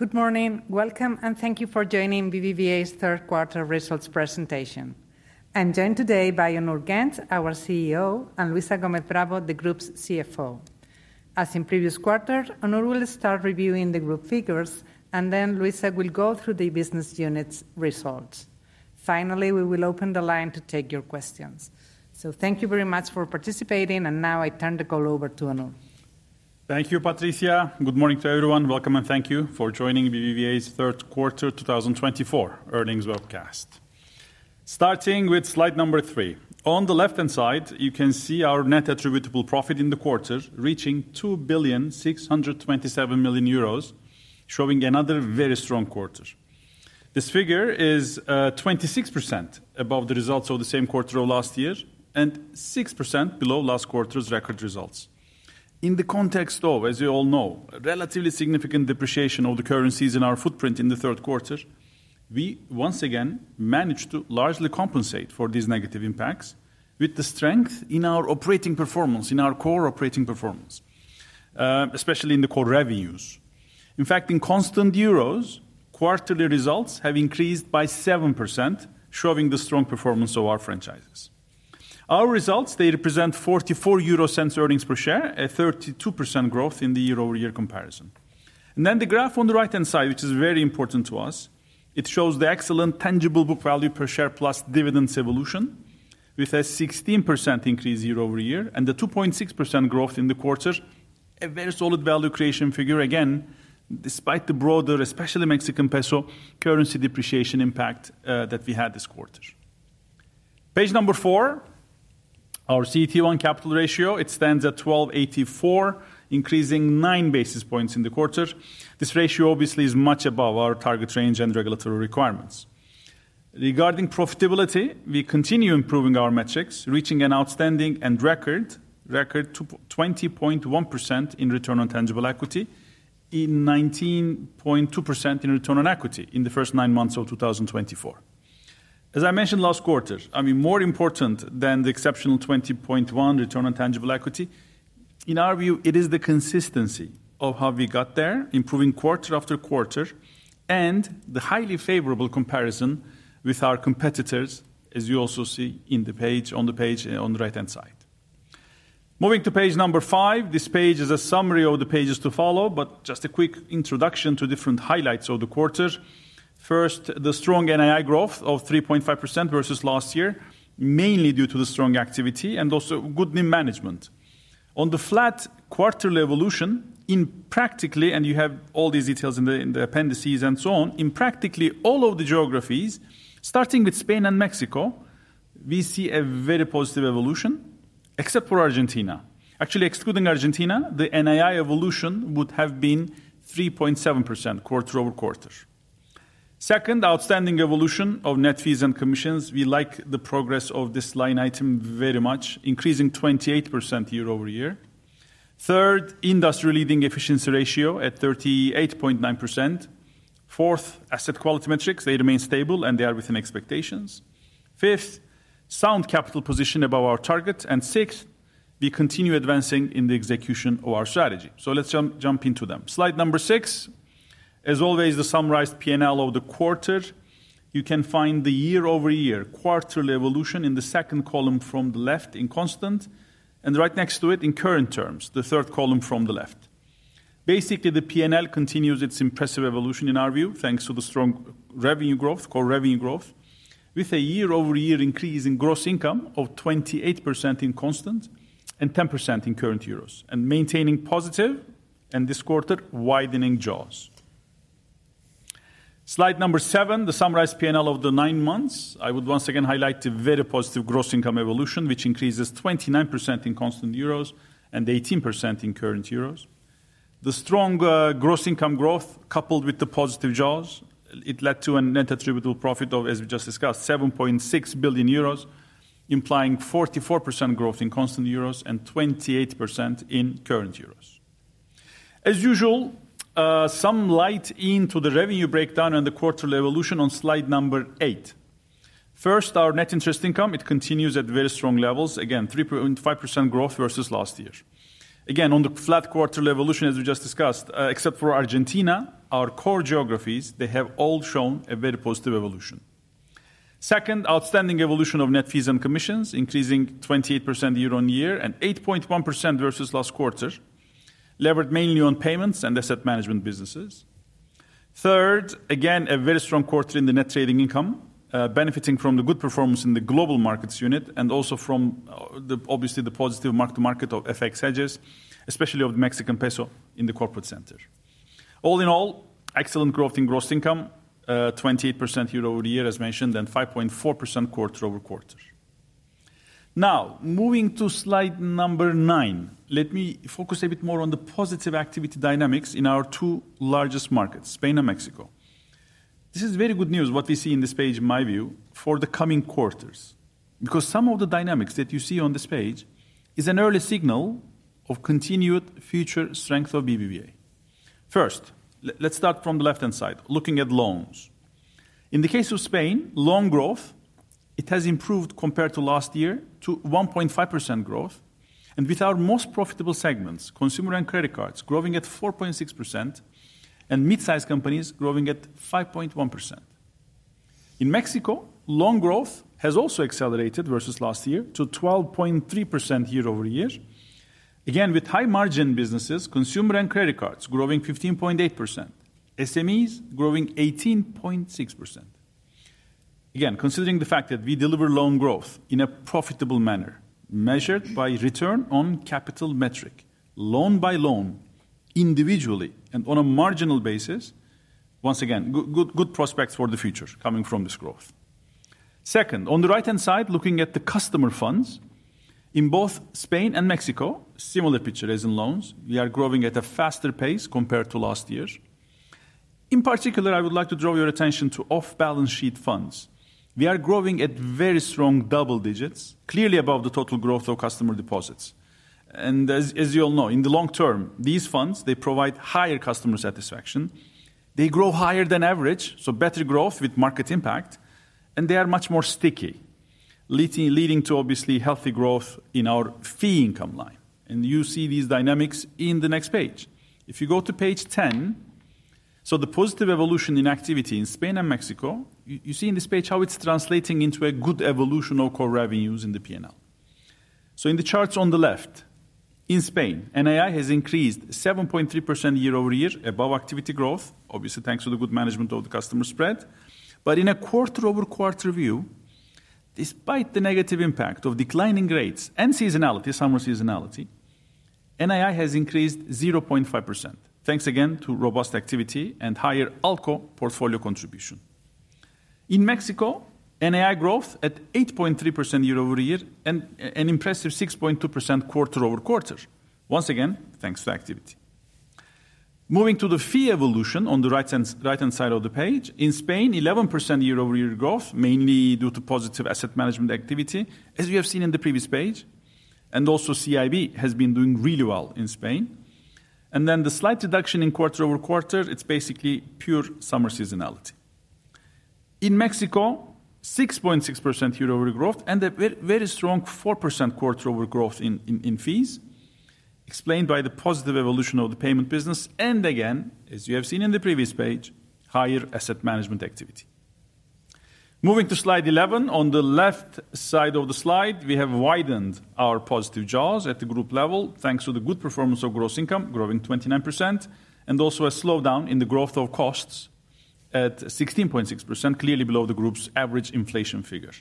Good morning, welcome, and thank you for joining BBVA's third quarter results presentation. I'm joined today by Onur Genç, our CEO, and Luisa Gómez Bravo, the group's CFO. As in previous quarters, Onur will start reviewing the group figures, and then Luisa will go through the business unit's results. Finally, we will open the line to take your questions. So thank you very much for participating, and now I turn the call over to Onur. Thank you, Patricia. Good morning to everyone, welcome, and thank you for joining BBVA's third quarter 2024 earnings webcast. Starting with slide number three, on the left-hand side you can see our net attributable profit in the quarter reaching €2,627 million, showing another very strong quarter. This figure is 26% above the results of the same quarter of last year and 6% below last quarter's record results. In the context of, as you all know, relatively significant depreciation of the currencies in our footprint in the third quarter, we once again managed to largely compensate for these negative impacts with the strength in our operating performance, in our core operating performance, especially in the core revenues. In fact, in constant euros, quarterly results have increased by 7%, showing the strong performance of our franchises. Our results, they represent €0.44 earnings per share, a 32% growth in the year-over-year comparison. And then the graph on the right-hand side, which is very important to us, shows the excellent tangible book value per share plus dividends evolution, with a 16% increase year-over-year and a 2.6% growth in the quarter, a very solid value creation figure, again, despite the broader, especially Mexican peso currency depreciation impact that we had this quarter. Page number four, our CET1 capital ratio, it stands at 1,284, increasing nine basis points in the quarter. This ratio obviously is much above our target range and regulatory requirements. Regarding profitability, we continue improving our metrics, reaching an outstanding and record 20.1% in return on tangible equity, in 19.2% in return on equity in the first nine months of 2024. As I mentioned last quarter, I mean, more important than the exceptional 20.1 return on tangible equity, in our view, it is the consistency of how we got there, improving quarter after quarter, and the highly favorable comparison with our competitors, as you also see in the page, on the page, on the right-hand side. Moving to page number five, this page is a summary of the pages to follow, but just a quick introduction to different highlights of the quarter. First, the strong NII growth of 3.5% versus last year, mainly due to the strong activity and also good NIM management. On the flat quarterly evolution, in practically, and you have all these details in the appendices and so on, in practically all of the geographies, starting with Spain and Mexico, we see a very positive evolution, except for Argentina. Actually, excluding Argentina, the NII evolution would have been 3.7% quarter over quarter. Second, outstanding evolution of net fees and commissions, we like the progress of this line item very much, increasing 28% year-over-year. Third, industry leading efficiency ratio at 38.9%. Fourth, asset quality metrics, they remain stable and they are within expectations. Fifth, sound capital position above our target. And sixth, we continue advancing in the execution of our strategy. So let's jump into them. Slide number six, as always, the summarized P&L of the quarter, you can find the year-over-year quarterly evolution in the second column from the left in constant, and right next to it in current terms, the third column from the left. Basically, the P&L continues its impressive evolution in our view, thanks to the strong revenue growth, core revenue growth, with a year-over-year increase in gross income of 28% in constant and 10% in current euros, and maintaining positive and this quarter widening jaws. Slide number seven, the summarized P&L of the nine months. I would once again highlight the very positive gross income evolution, which increases 29% in constant euros and 18% in current euros. The strong gross income growth, coupled with the positive jaws, it led to a net attributable profit of, as we just discussed, €7.6 billion, implying 44% growth in constant euros and 28% in current euros. As usual, some light into the revenue breakdown and the quarterly evolution on slide number eight. First, our net interest income, it continues at very strong levels, again, 3.5% growth versus last year. Again, on the flat quarterly evolution, as we just discussed, except for Argentina, our core geographies, they have all shown a very positive evolution. Second, outstanding evolution of net fees and commissions, increasing 28% year-on-year and 8.1% versus last quarter, levered mainly on payments and asset management businesses. Third, again, a very strong quarter in the net trading income, benefiting from the good performance in the Global Markets unit and also from the, obviously, positive mark-to-market of FX hedges, especially of the Mexican peso in the Corporate Center. All in all, excellent growth in gross income, 28% year-over-year, as mentioned, and 5.4% quarter over quarter. Now, moving to slide number nine, let me focus a bit more on the positive activity dynamics in our two largest markets, Spain and Mexico. This is very good news, what we see on this page, in my view, for the coming quarters, because some of the dynamics that you see on this page is an early signal of continued future strength of BBVA. First, let's start from the left-hand side, looking at loans. In the case of Spain, loan growth, it has improved compared to last year to 1.5% growth, and with our most profitable segments, consumer and credit cards, growing at 4.6%, and mid-size companies growing at 5.1%. In Mexico, loan growth has also accelerated versus last year to 12.3% year-over-year. Again, with high-margin businesses, consumer and credit cards growing 15.8%, SMEs growing 18.6%. Again, considering the fact that we deliver loan growth in a profitable manner, measured by return on capital metric, loan by loan, individually and on a marginal basis, once again, good prospects for the future coming from this growth. Second, on the right-hand side, looking at the customer funds, in both Spain and Mexico, similar picture as in loans, we are growing at a faster pace compared to last year. In particular, I would like to draw your attention to off-balance sheet funds. We are growing at very strong double digits, clearly above the total growth of customer deposits. And as you all know, in the long term, these funds, they provide higher customer satisfaction, they grow higher than average, so better growth with market impact, and they are much more sticky, leading to obviously healthy growth in our fee income line. And you see these dynamics in the next page. If you go to page 10, so the positive evolution in activity in Spain and Mexico, you see in this page how it's translating into a good evolution of core revenues in the P&L. So in the charts on the left, in Spain, NII has increased 7.3% year-over-year above activity growth, obviously thanks to the good management of the customer spread. But in a quarter-over-quarter view, despite the negative impact of declining rates and seasonality, summer seasonality, NII has increased 0.5%, thanks again to robust activity and higher ALCO portfolio contribution. In Mexico, NII growth at 8.3% year-over-year and an impressive 6.2% quarter over quarter, once again, thanks to activity. Moving to the fee evolution on the right-hand side of the page, in Spain, 11% year-over-year growth, mainly due to positive asset management activity, as we have seen in the previous page, and also CIB has been doing really well in Spain. And then the slight deduction in quarter over quarter, it's basically pure summer seasonality. In Mexico, 6.6% year-over-year growth and a very strong 4% quarter over growth in fees, explained by the positive evolution of the payment business, and again, as you have seen in the previous page, higher asset management activity. Moving to slide 11, on the left side of the slide, we have widened our positive jaws at the group level, thanks to the good performance of gross income growing 29%, and also a slowdown in the growth of costs at 16.6%, clearly below the group's average inflation figure.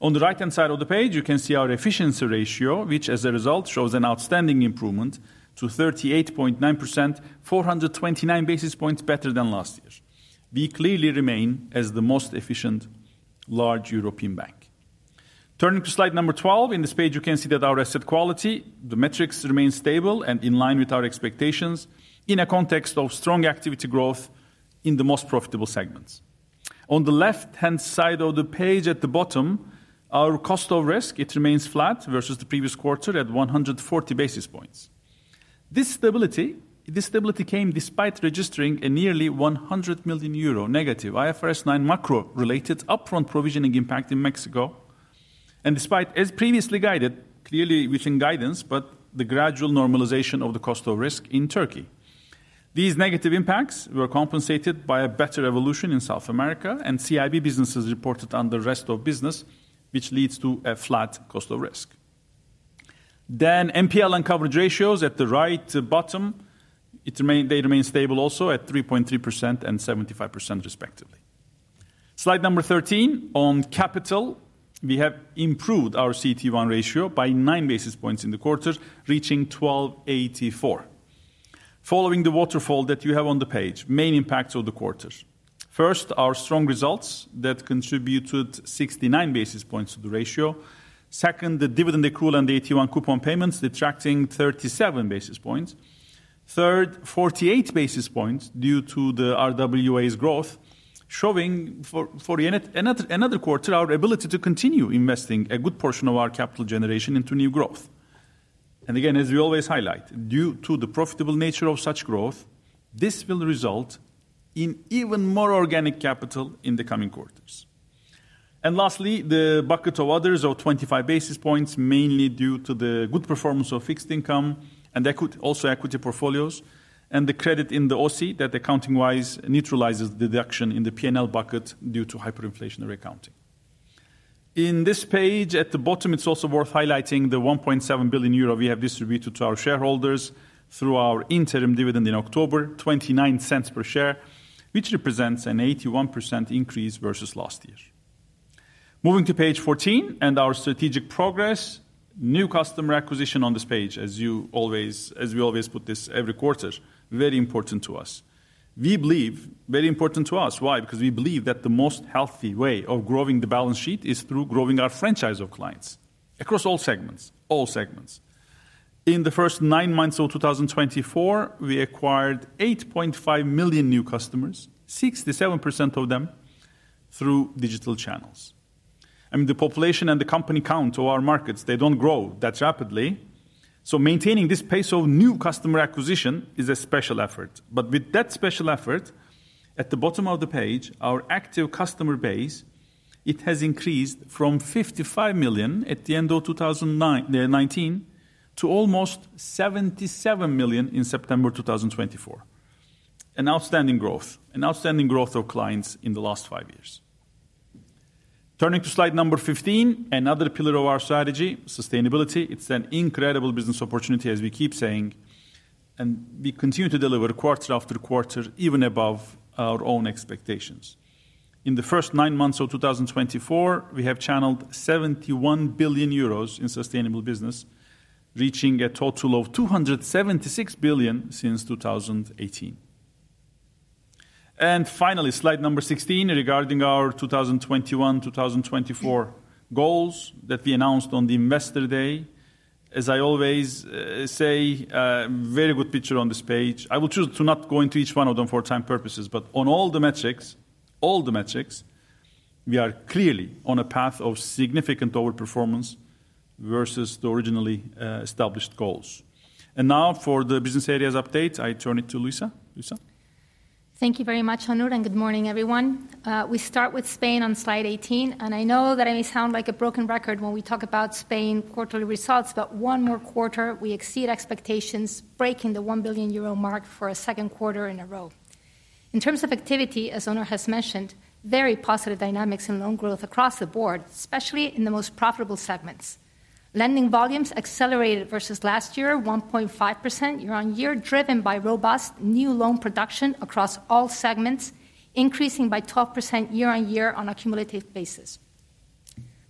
On the right-hand side of the page, you can see our efficiency ratio, which as a result shows an outstanding improvement to 38.9%, 429 basis points better than last year. We clearly remain as the most efficient large European bank. Turning to slide number 12, in this page, you can see that our asset quality, the metrics remain stable and in line with our expectations in a context of strong activity growth in the most profitable segments. On the left-hand side of the page at the bottom, our cost of risk, it remains flat versus the previous quarter at 140 basis points. This stability, this stability came despite registering a nearly €100 million negative IFRS 9 macro-related upfront provisioning impact in Mexico, and despite, as previously guided, clearly within guidance, but the gradual normalization of the cost of risk in Turkey. These negative impacts were compensated by a better evolution in South America, and CIB businesses reported under Rest of Business, which leads to a flat cost of risk, then NPL and coverage ratios at the right bottom, they remain stable also at 3.3% and 75% respectively. Slide number 13, on capital, we have improved our CET1 ratio by nine basis points in the quarter, reaching 12.84. Following the waterfall that you have on the page, main impacts of the quarter. First, our strong results that contributed 69 basis points to the ratio. Second, the dividend accrual and the 8.1% coupon payments detracting 37 basis points. Third, 48 basis points due to the RWA's growth, showing for another quarter our ability to continue investing a good portion of our capital generation into new growth, and again, as we always highlight, due to the profitable nature of such growth, this will result in even more organic capital in the coming quarters. And lastly, the bucket of others of 25 basis points, mainly due to the good performance of fixed income and also equity portfolios and the credit in the OCI that accounting-wise neutralizes the deduction in the P&L bucket due to hyperinflationary accounting. In this page, at the bottom, it's also worth highlighting the €1.7 billion we have distributed to our shareholders through our interim dividend in October, €0.29 per share, which represents an 81% increase versus last year. Moving to page 14 and our strategic progress, new customer acquisition on this page, as you always, as we always put this every quarter, very important to us. We believe, very important to us, why? Because we believe that the most healthy way of growing the balance sheet is through growing our franchise of clients across all segments, all segments. In the first nine months of 2024, we acquired 8.5 million new customers, 67% of them through digital channels. I mean, the population and the company count of our markets, they don't grow that rapidly. So maintaining this pace of new customer acquisition is a special effort. But with that special effort, at the bottom of the page, our active customer base, it has increased from 55 million at the end of 2019 to almost 77 million in September 2024. An outstanding growth, an outstanding growth of clients in the last five years. Turning to slide number 15, another pillar of our strategy, sustainability, it's an incredible business opportunity, as we keep saying, and we continue to deliver quarter after quarter, even above our own expectations. In the first nine months of 2024, we have channeled 71 billion euros in sustainable business, reaching a total of 276 billion since 2018. And finally, slide number 16 regarding our 2021-2024 goals that we announced on the Investor Day. As I always say, very good picture on this page. I will choose to not go into each one of them for time purposes, but on all the metrics, all the metrics, we are clearly on a path of significant overperformance versus the originally established goals. And now for the business areas update, I turn it to Luisa. Luisa. Thank you very much, Onur, and good morning, everyone. We start with Spain on slide 18, and I know that I may sound like a broken record when we talk about Spain quarterly results, but one more quarter, we exceed expectations, breaking the €1 billion mark for a second quarter in a row. In terms of activity, as Onur has mentioned, very positive dynamics in loan growth across the board, especially in the most profitable segments. Lending volumes accelerated versus last year, 1.5% year-on-year, driven by robust new loan production across all segments, increasing by 12% year-on-year on a cumulative basis.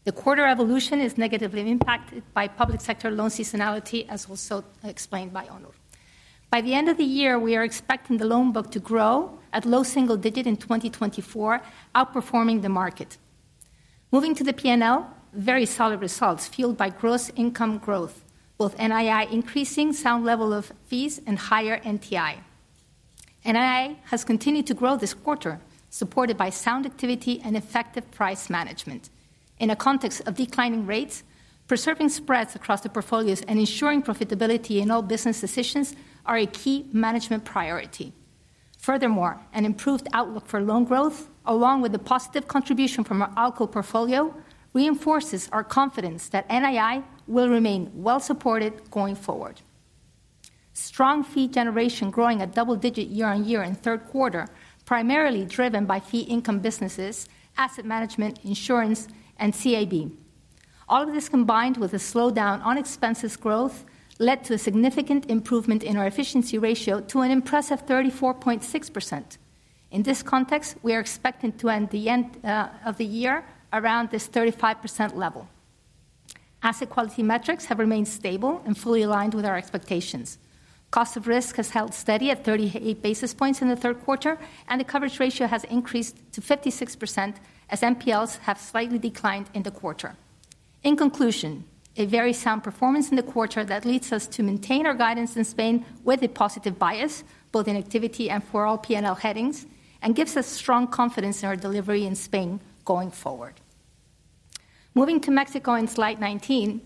The quarter evolution is negatively impacted by public sector loan seasonality, as also explained by Onur. By the end of the year, we are expecting the loan book to grow at low single digit in 2024, outperforming the market. Moving to the P&L, very solid results fueled by gross income growth, both NII increasing sound level of fees and higher NTI. NII has continued to grow this quarter, supported by sound activity and effective price management. In a context of declining rates, preserving spreads across the portfolios and ensuring profitability in all business decisions are a key management priority. Furthermore, an improved outlook for loan growth, along with the positive contribution from our ALCO portfolio, reinforces our confidence that NII will remain well-supported going forward. Strong fee generation growing at double digit year-on-year in third quarter, primarily driven by fee income businesses, asset management, insurance, and CIB. All of this combined with a slowdown on expenses growth led to a significant improvement in our efficiency ratio to an impressive 34.6%. In this context, we are expecting to end of the year around this 35% level. Asset quality metrics have remained stable and fully aligned with our expectations. Cost of risk has held steady at 38 basis points in the third quarter, and the coverage ratio has increased to 56% as NPLs have slightly declined in the quarter. In conclusion, a very sound performance in the quarter that leads us to maintain our guidance in Spain with a positive bias, both in activity and for all P&L headings, and gives us strong confidence in our delivery in Spain going forward. Moving to Mexico in slide 19,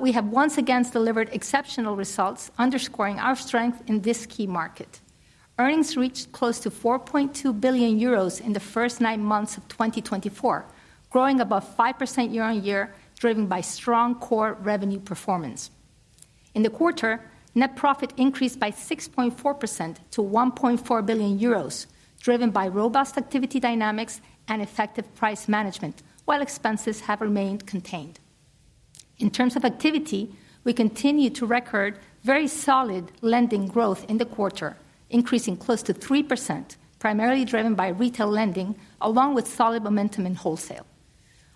we have once again delivered exceptional results, underscoring our strength in this key market. Earnings reached close to 4.2 billion euros in the first nine months of 2024, growing above 5% year-on-year, driven by strong core revenue performance. In the quarter, net profit increased by 6.4% to 1.4 billion euros, driven by robust activity dynamics and effective price management, while expenses have remained contained. In terms of activity, we continue to record very solid lending growth in the quarter, increasing close to 3%, primarily driven by retail lending, along with solid momentum in wholesale.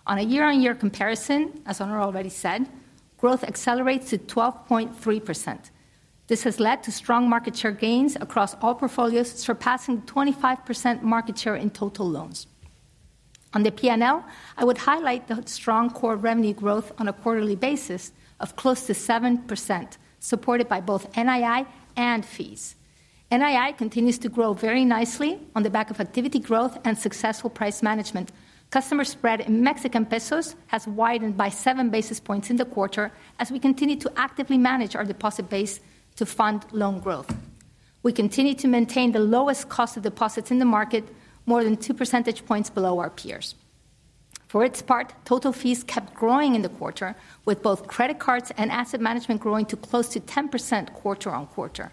On a year-on-year comparison, as Onur already said, growth accelerates to 12.3%. This has led to strong market share gains across all portfolios, surpassing 25% market share in total loans. On the P&L, I would highlight the strong core revenue growth on a quarterly basis of close to 7%, supported by both NII and fees. NII continues to grow very nicely on the back of activity growth and successful price management. Customer spread in Mexican pesos has widened by seven basis points in the quarter as we continue to actively manage our deposit base to fund loan growth. We continue to maintain the lowest cost of deposits in the market, more than two percentage points below our peers. For its part, total fees kept growing in the quarter, with both credit cards and asset management growing to close to 10% quarter on quarter.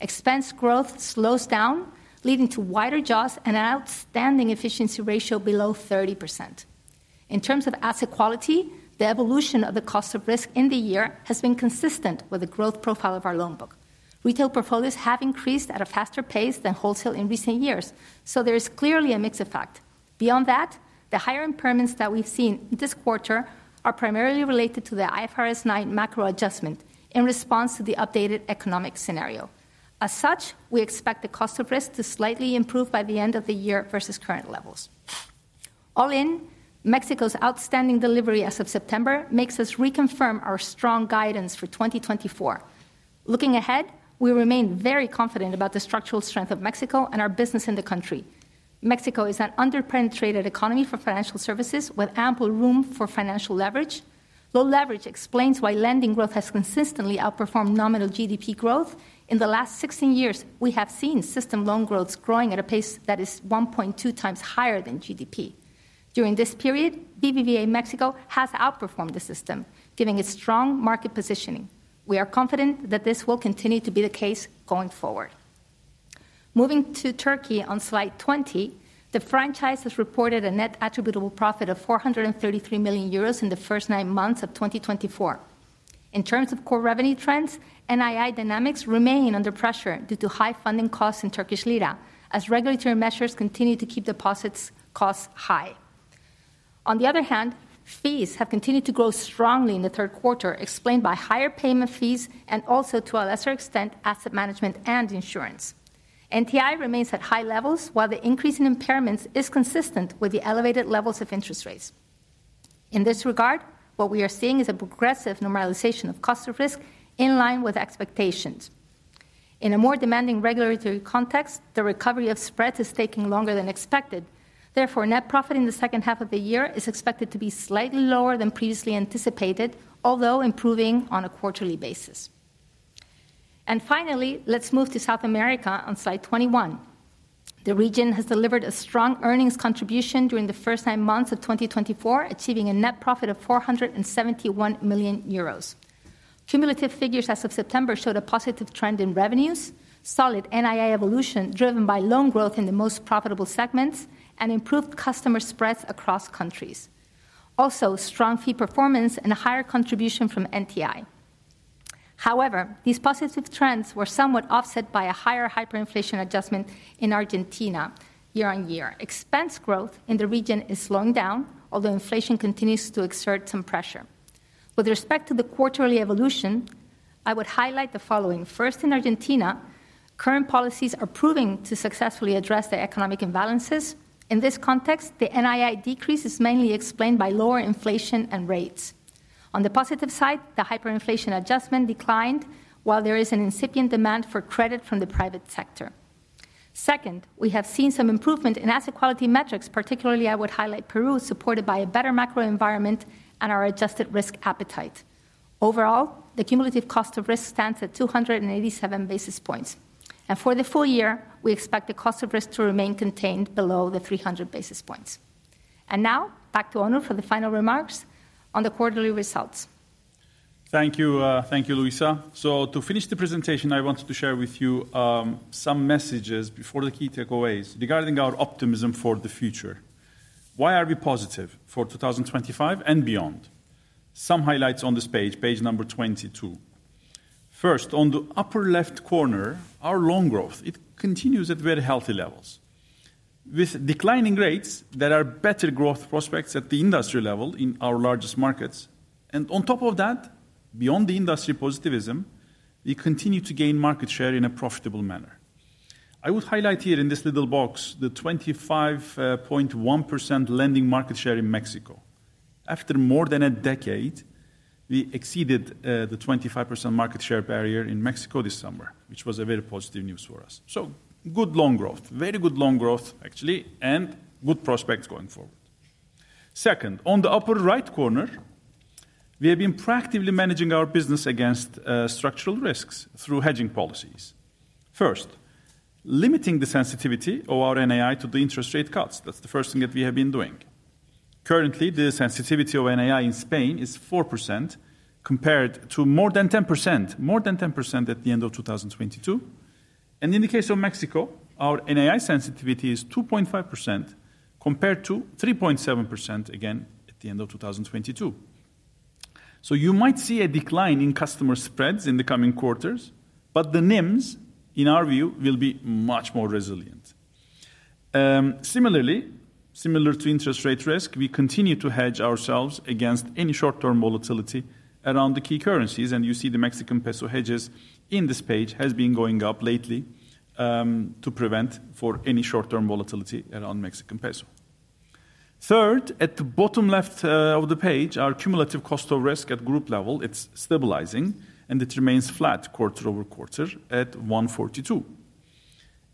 Expense growth slows down, leading to wider jaws and an outstanding efficiency ratio below 30%. In terms of asset quality, the evolution of the cost of risk in the year has been consistent with the growth profile of our loan book. Retail portfolios have increased at a faster pace than wholesale in recent years, so there is clearly a mixed effect. Beyond that, the higher impairments that we've seen this quarter are primarily related to the IFRS 9 macro adjustment in response to the updated economic scenario. As such, we expect the cost of risk to slightly improve by the end of the year versus current levels. All in, Mexico's outstanding delivery as of September makes us reconfirm our strong guidance for 2024. Looking ahead, we remain very confident about the structural strength of Mexico and our business in the country. Mexico is an underpenetrated economy for financial services with ample room for financial leverage. Low leverage explains why lending growth has consistently outperformed nominal GDP growth. In the last 16 years, we have seen system loan growths growing at a pace that is 1.2 times higher than GDP. During this period, BBVA Mexico has outperformed the system, giving it strong market positioning. We are confident that this will continue to be the case going forward. Moving to Turkey on slide 20, the franchise has reported a net attributable profit of €433 million in the first nine months of 2024. In terms of core revenue trends, NII dynamics remain under pressure due to high funding costs in Turkish lira as regulatory measures continue to keep deposits costs high. On the other hand, fees have continued to grow strongly in the third quarter, explained by higher payment fees and also, to a lesser extent, asset management and insurance. NTI remains at high levels, while the increase in impairments is consistent with the elevated levels of interest rates. In this regard, what we are seeing is a progressive normalization of cost of risk in line with expectations. In a more demanding regulatory context, the recovery of spread is taking longer than expected. Therefore, net profit in the second half of the year is expected to be slightly lower than previously anticipated, although improving on a quarterly basis. And finally, let's move to South America on slide 21. The region has delivered a strong earnings contribution during the first nine months of 2024, achieving a net profit of 471 million euros. Cumulative figures as of September showed a positive trend in revenues, solid NII evolution driven by loan growth in the most profitable segments, and improved customer spreads across countries. Also, strong fee performance and a higher contribution from NTI. However, these positive trends were somewhat offset by a higher hyperinflation adjustment in Argentina year-on-year. Expense growth in the region is slowing down, although inflation continues to exert some pressure. With respect to the quarterly evolution, I would highlight the following. First, in Argentina, current policies are proving to successfully address the economic imbalances. In this context, the NII decrease is mainly explained by lower inflation and rates. On the positive side, the hyperinflation adjustment declined, while there is an incipient demand for credit from the private sector. Second, we have seen some improvement in asset quality metrics, particularly, I would highlight Peru, supported by a better macro environment and our adjusted risk appetite. Overall, the cumulative cost of risk stands at 287 basis points. And for the full year, we expect the cost of risk to remain contained below the 300 basis points. And now, back to Onur for the final remarks on the quarterly results. Thank you, Luisa. So to finish the presentation, I wanted to share with you some messages before the key takeaways regarding our optimism for the future. Why are we positive for 2025 and beyond? Some highlights on this page, page number 22. First, on the upper left corner, our loan growth, it continues at very healthy levels. With declining rates, there are better growth prospects at the industry level in our largest markets. And on top of that, beyond the industry positivism, we continue to gain market share in a profitable manner. I would highlight here in this little box the 25.1% lending market share in Mexico. After more than a decade, we exceeded the 25% market share barrier in Mexico this summer, which was a very positive news for us. So good loan growth, very good loan growth, actually, and good prospects going forward. Second, on the upper right corner, we have been proactively managing our business against structural risks through hedging policies. First, limiting the sensitivity of our NII to the interest rate cuts. That's the first thing that we have been doing. Currently, the sensitivity of NII in Spain is 4% compared to more than 10%, more than 10% at the end of 2022. And in the case of Mexico, our NII sensitivity is 2.5% compared to 3.7% again at the end of 2022. So you might see a decline in customer spreads in the coming quarters, but the NIMs, in our view, will be much more resilient. Similarly, similar to interest rate risk, we continue to hedge ourselves against any short-term volatility around the key currencies. And you see the Mexican peso hedges in this page have been going up lately to prepare for any short-term volatility around Mexican peso. Third, at the bottom left of the page, our cumulative cost of risk at group level, it's stabilizing and it remains flat quarter over quarter at 142.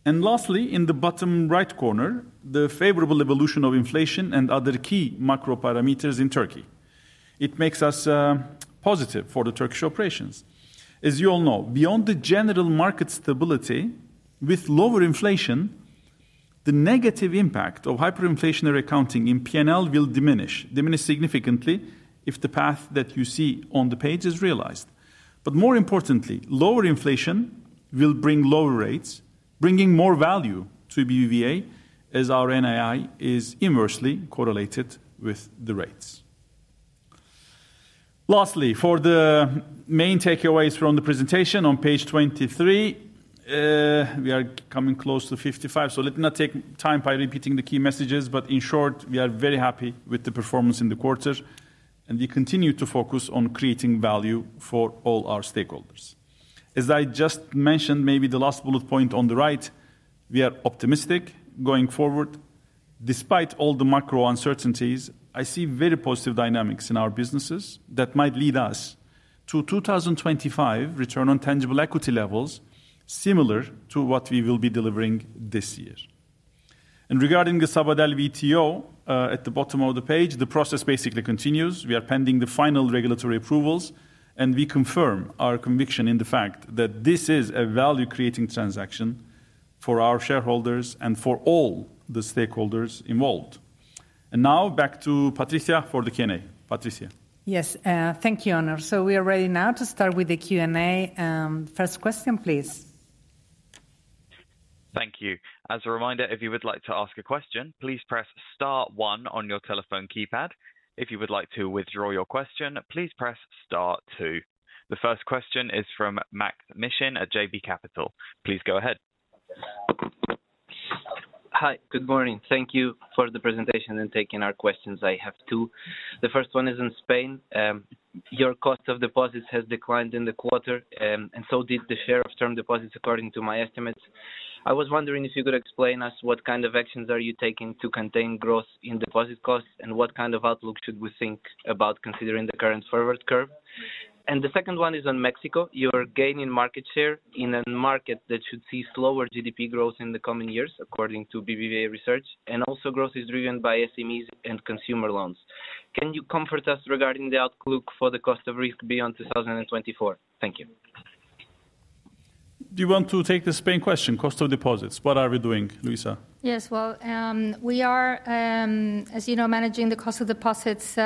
And lastly, in the bottom right corner, the favorable evolution of inflation and other key macro parameters in Turkey. It makes us positive for the Turkish operations. As you all know, beyond the general market stability, with lower inflation, the negative impact of hyperinflationary accounting in P&L will diminish significantly if the path that you see on the page is realized. But more importantly, lower inflation will bring lower rates, bringing more value to BBVA as our NII is inversely correlated with the rates. Lastly, for the main takeaways from the presentation on page 23, we are coming close to 55. So let me not take time by repeating the key messages, but in short, we are very happy with the performance in the quarter and we continue to focus on creating value for all our stakeholders. As I just mentioned, maybe the last bullet point on the right, we are optimistic going forward. Despite all the macro uncertainties, I see very positive dynamics in our businesses that might lead us to 2025 return on tangible equity levels similar to what we will be delivering this year, and regarding the Sabadell at the bottom of the page, the process basically continues. We are pending the final regulatory approvals and we confirm our conviction in the fact that this is a value-creating transaction for our shareholders and for all the stakeholders involved. And now back to Patricia for the Q&A. Patricia. Yes, thank you, Onur, so we are ready now to start with the Q&A. First question, please. Thank you. As a reminder, if you would like to ask a question, please press star one on your telephone keypad. If you would like to withdraw your question, please press star two. The first question is from Max Mishyn at JB Capital. Please go ahead. Hi, good morning. Thank you for the presentation and taking our questions. I have two. The first one is in Spain. Your cost of deposits has declined in the quarter and so did the share of term deposits according to my estimates. I was wondering if you could explain to us what kind of actions are you taking to contain growth in deposit costs and what kind of outlook should we think about considering the current forward curve? And the second one is on Mexico. You are gaining market share in a market that should see slower GDP growth in the coming years according to BBVA Research and also growth is driven by SMEs and consumer loans. Can you comfort us regarding the outlook for the cost of risk beyond 2024? Thank you. Do you want to take the Spain question, cost of deposits? What are we doing, Luisa? Yes, well, we are, as you know, managing the cost of deposits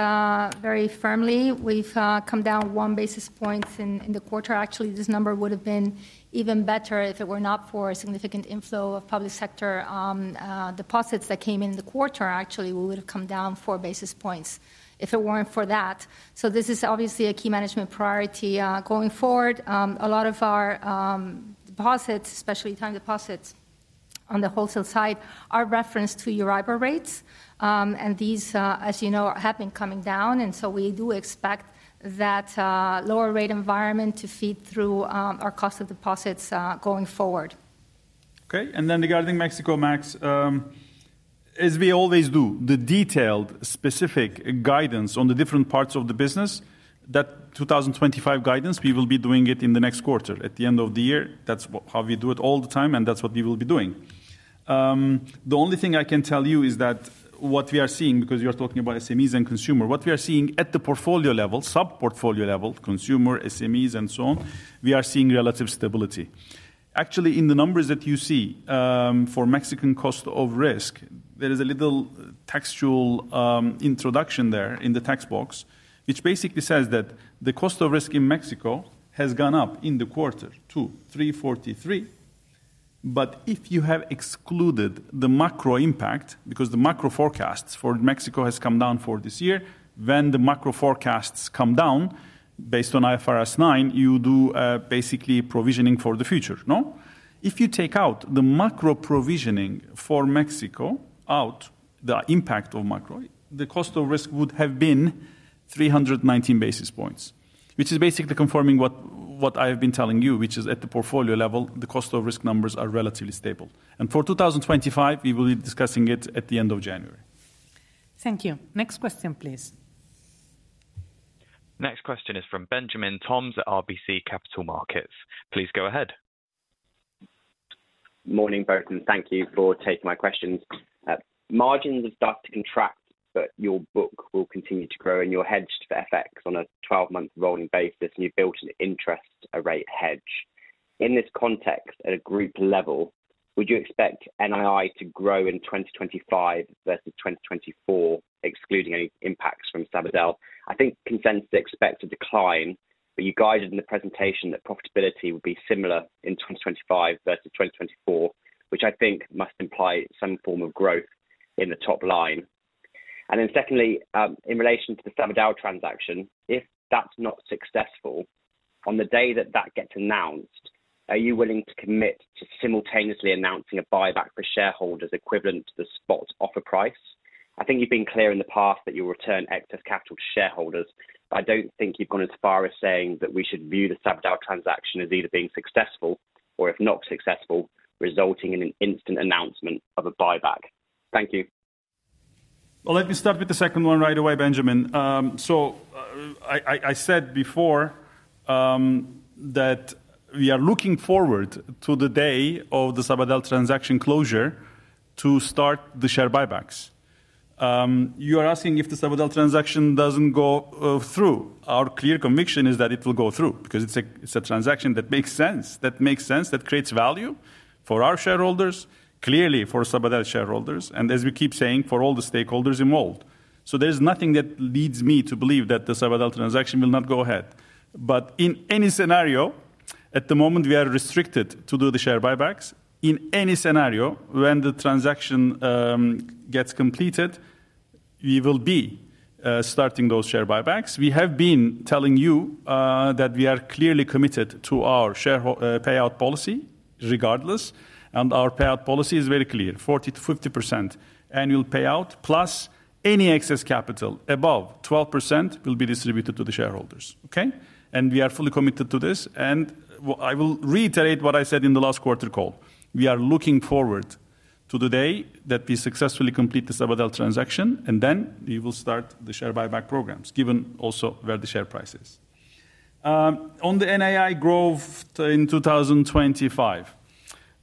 very firmly. We've come down one basis point in the quarter. Actually, this number would have been even better if it were not for a significant inflow of public sector deposits that came in the quarter. Actually, we would have come down four basis points if it weren't for that. So this is obviously a key management priority going forward. A lot of our deposits, especially time deposits on the wholesale side, are referenced to Euribor rates. And these, as you know, have been coming down. And so we do expect that lower rate environment to feed through our cost of deposits going forward. Okay. And then, regarding Mexico, Max, as we always do, the detailed specific guidance on the different parts of the business, that 2025 guidance, we will be doing it in the next quarter at the end of the year. That's how we do it all the time and that's what we will be doing. The only thing I can tell you is that what we are seeing, because you are talking about SMEs and consumer, what we are seeing at the portfolio level, sub-portfolio level, consumer, SMEs, and so on, we are seeing relative stability. Actually, in the numbers that you see for Mexican cost of risk, there is a little textual introduction there in the text box, which basically says that the cost of risk in Mexico has gone up in the quarter to 343. But if you have excluded the macro impact, because the macro forecasts for Mexico have come down for this year, when the macro forecasts come down based on IFRS 9, you do basically provisioning for the future. If you take out the macro provisioning for Mexico, out the impact of macro, the cost of risk would have been 319 basis points, which is basically confirming what I have been telling you, which is at the portfolio level, the cost of risk numbers are relatively stable. And for 2025, we will be discussing it at the end of January. Thank you. Next question, please. Next question is from Benjamin Toms at RBC Capital Markets. Please go ahead. Morning, Onur. Thank you for taking my questions. Margins have started to contract, but your book will continue to grow and you're hedged for FX on a 12-month rolling basis and you've built an interest rate hedge. In this context, at a group level, would you expect NII to grow in 2025 versus 2024, excluding any impacts from Sabadell? I think consensus expects a decline, but you guided in the presentation that profitability would be similar in 2025 versus 2024, which I think must imply some form of growth in the top line. And then secondly, in relation to the Sabadell transaction, if that's not successful, on the day that that gets announced, are you willing to commit to simultaneously announcing a buyback for shareholders equivalent to the spot offer price? I think you've been clear in the past that you'll return excess capital to shareholders, but I don't think you've gone as far as saying that we should view the Sabadell transaction as either being successful or, if not successful, resulting in an instant announcement of a buyback. Thank you. Well, let me start with the second one right away, Benjamin. So I said before that we are looking forward to the day of the Sabadell transaction closure to start the share buybacks. You are asking if the Sabadell transaction doesn't go through. Our clear conviction is that it will go through because it's a transaction that makes sense, that makes sense, that creates value for our shareholders, clearly for Sabadell shareholders, and as we keep saying, for all the stakeholders involved. So there's nothing that leads me to believe that the Sabadell transaction will not go ahead. But in any scenario, at the moment, we are restricted to do the share buybacks. In any scenario, when the transaction gets completed, we will be starting those share buybacks. We have been telling you that we are clearly committed to our share payout policy regardless, and our payout policy is very clear: 40%-50% annual payout plus any excess capital above 12% will be distributed to the shareholders. Okay? And we are fully committed to this. And I will reiterate what I said in the last quarter call. We are looking forward to the day that we successfully complete the Sabadell transaction, and then we will start the share buyback programs, given also where the share price is. On the NII growth in 2025,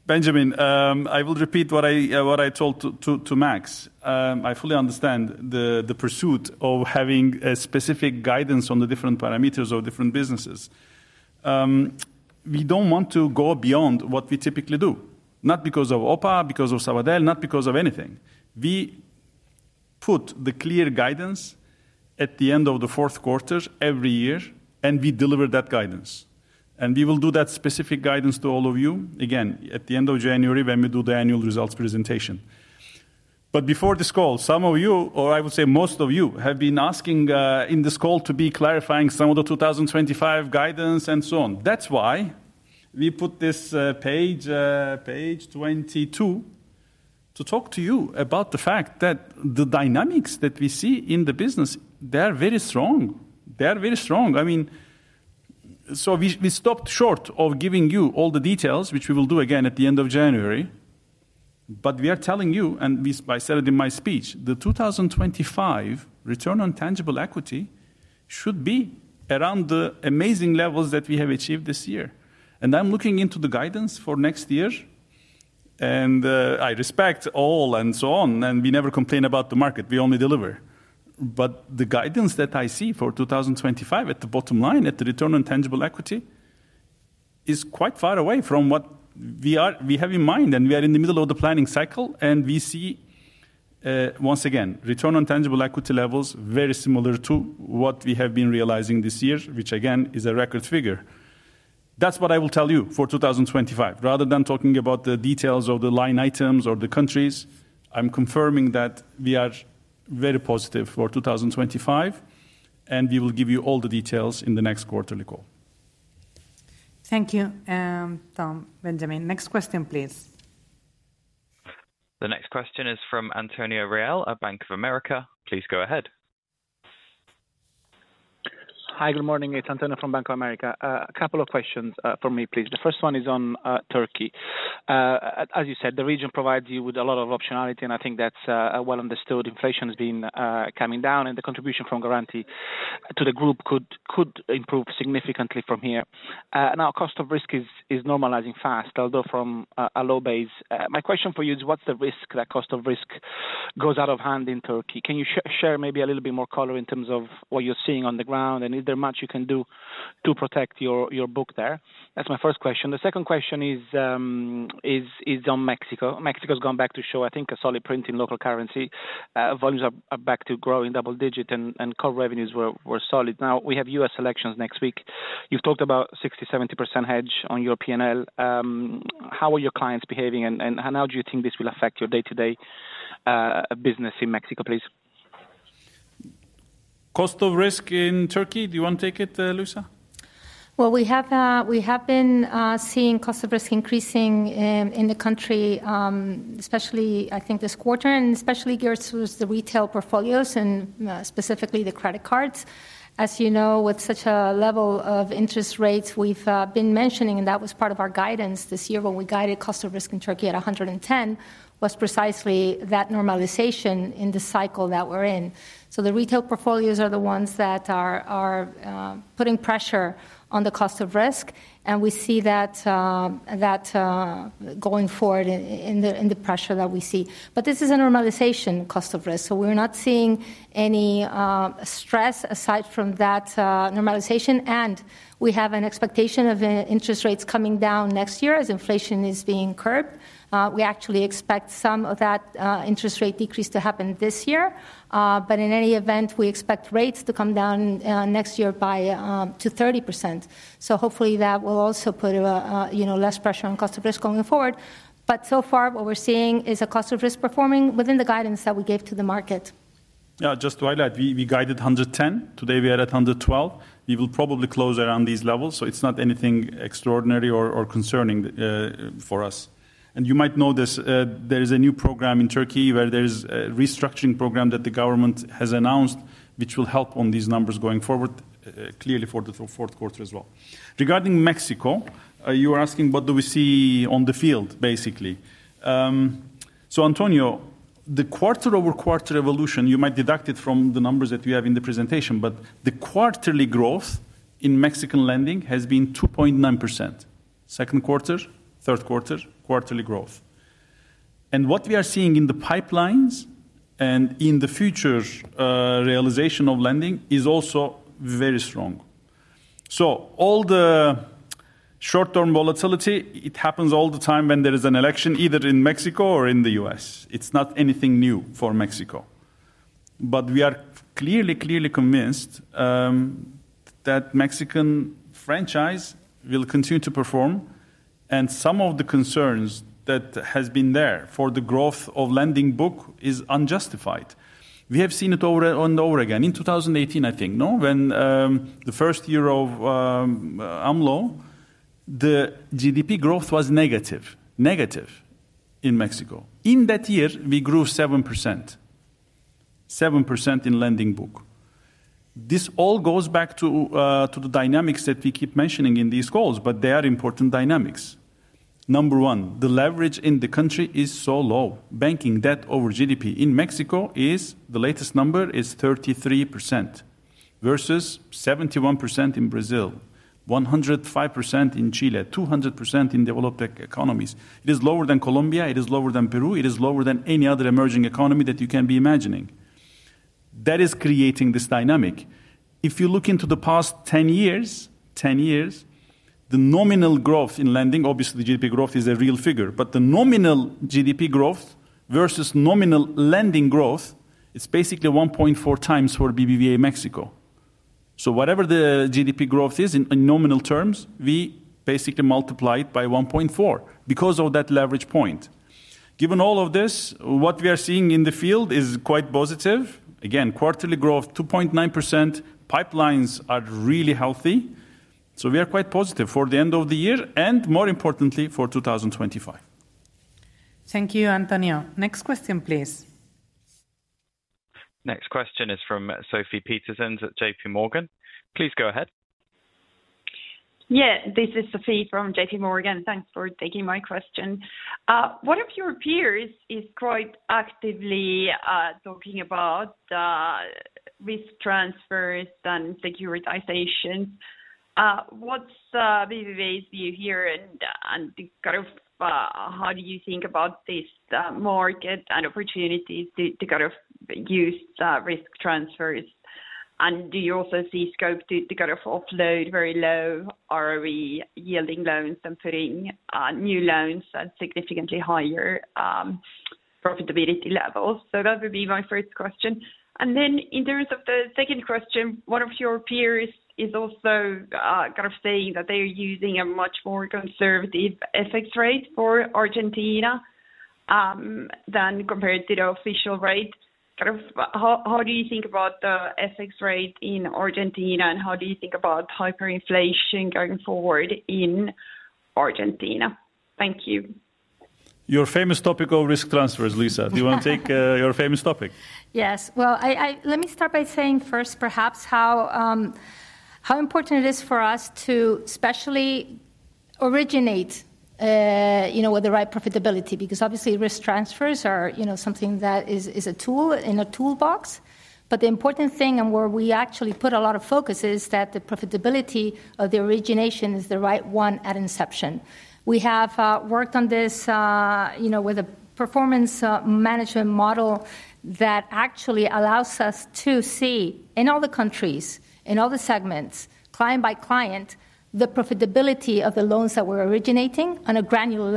Benjamin, I will repeat what I told to Max. I fully understand the pursuit of having a specific guidance on the different parameters of different businesses. We don't want to go beyond what we typically do, not because of OPA, because of Sabadell, not because of anything. We put the clear guidance at the end of the fourth quarter every year, and we deliver that guidance, and we will do that specific guidance to all of you again at the end of January when we do the annual results presentation. Before this call, some of you, or I would say most of you, have been asking in this call to be clarifying some of the 2025 guidance and so on. That's why we put this page, page 22, to talk to you about the fact that the dynamics that we see in the business, they are very strong. They are very strong. I mean, so we stopped short of giving you all the details, which we will do again at the end of January, but we are telling you, and I said it in my speech, the 2025 return on tangible equity should be around the amazing levels that we have achieved this year, and I'm looking into the guidance for next year, and I respect all and so on, and we never complain about the market. We only deliver, but the guidance that I see for 2025 at the bottom line at the return on tangible equity is quite far away from what we have in mind, and we are in the middle of the planning cycle, and we see once again return on tangible equity levels very similar to what we have been realizing this year, which again is a record figure. That's what I will tell you for 2025. Rather than talking about the details of the line items or the countries, I'm confirming that we are very positive for 2025, and we will give you all the details in the next quarterly call. Thank you, Tom, Benjamin. Next question, please. The next question is from Antonio Reale of Bank of America. Please go ahead. Hi, good morning. It's Antonio from Bank of America. A couple of questions for me, please. The first one is on Turkey. As you said, the region provides you with a lot of optionality, and I think that's well understood. Inflation has been coming down, and the contribution from Garanti to the group could improve significantly from here. Now, cost of risk is normalizing fast, although from a low base. My question for you is, what's the risk that cost of risk goes out of hand in Turkey? Can you share maybe a little bit more color in terms of what you're seeing on the ground, and is there much you can do to protect your book there? That's my first question. The second question is on Mexico. Mexico has gone back to show, I think, a solid print in local currency. Volumes are back to growing double digits, and core revenues were solid. Now, we have U.S. elections next week. You've talked about 60%-70% hedge on your P&L. How are your clients behaving, and how do you think this will affect your day-to-day business in Mexico, please? Cost of risk in Turkey, do you want to take it, Luisa? Well, we have been seeing cost of risk increasing in the country, especially I think this quarter, and especially geared towards the retail portfolios and specifically the credit cards. As you know, with such a level of interest rates we've been mentioning, and that was part of our guidance this year when we guided cost of risk in Turkey at 110, was precisely that normalization in the cycle that we're in. So the retail portfolios are the ones that are putting pressure on the cost of risk, and we see that going forward in the pressure that we see. But this is a normalization cost of risk, so we're not seeing any stress aside from that normalization. And we have an expectation of interest rates coming down next year as inflation is being curbed. We actually expect some of that interest rate decrease to happen this year. But in any event, we expect rates to come down next year by 30%. So hopefully that will also put less pressure on cost of risk going forward. But so far, what we're seeing is a cost of risk performing within the guidance that we gave to the market. Yeah, just to highlight, we guided 110. Today we are at 112. We will probably close around these levels, so it's not anything extraordinary or concerning for us. And you might know this, there is a new program in Turkey where there is a restructuring program that the government has announced, which will help on these numbers going forward, clearly for the fourth quarter as well. Regarding Mexico, you are asking what do we see on the field, basically. So Antonio, the quarter-over-quarter evolution, you might deduct it from the numbers that you have in the presentation, but the quarterly growth in Mexican lending has been 2.9%. Second quarter, third quarter, quarterly growth. What we are seeing in the pipelines and in the future realization of lending is also very strong. All the short-term volatility, it happens all the time when there is an election either in Mexico or in the U.S. It's not anything new for Mexico. We are clearly, clearly convinced that Mexican franchise will continue to perform, and some of the concerns that have been there for the growth of lending book is unjustified. We have seen it over and over again. In 2018, I think, when the first year of AMLO, the GDP growth was negative, negative in Mexico. In that year, we grew 7%, 7% in lending book. This all goes back to the dynamics that we keep mentioning in these calls, but they are important dynamics. Number one, the leverage in the country is so low. Banking debt over GDP in Mexico is the latest number is 33% versus 71% in Brazil, 105% in Chile, 200% in developed economies. It is lower than Colombia. It is lower than Peru. It is lower than any other emerging economy that you can be imagining. That is creating this dynamic. If you look into the past 10 years, 10 years, the nominal growth in lending, obviously GDP growth is a real figure, but the nominal GDP growth versus nominal lending growth, it's basically 1.4 times for BBVA Mexico. So whatever the GDP growth is in nominal terms, we basically multiply it by 1.4 because of that leverage point. Given all of this, what we are seeing in the field is quite positive. Again, quarterly growth 2.9%. Pipelines are really healthy. So we are quite positive for the end of the year and more importantly for 2025. Thank you, Antonio. Next question, please. Next question is from Sofie Peterzens at J.P. Morgan. Please go ahead. Yeah, this is Sofie from J.P. Morgan. Thanks for taking my question. One of your peers is quite actively talking about risk transfers and securitization. What's BBVA's view here and kind of how do you think about this market and opportunities to kind of use risk transfers? And do you also see scope to kind of offload very low ROE yielding loans and putting new loans at significantly higher profitability levels? So that would be my first question. And then in terms of the second question, one of your peers is also kind of saying that they're using a much more conservative FX rate for Argentina than compared to the official rate. Kind of how do you think about the FX rate in Argentina and how do you think about hyperinflation going forward in Argentina? Thank you. Your famous topic of risk transfers, Luisa. Do you want to take your famous topic? Yes. Well, let me start by saying first perhaps how important it is for us to especially originate with the right profitability because obviously risk transfers are something that is a tool in a toolbox. But the important thing and where we actually put a lot of focus is that the profitability of the origination is the right one at inception. We have worked on this with a performance management model that actually allows us to see in all the countries, in all the segments, client by client, the profitability of the loans that we're originating on a granular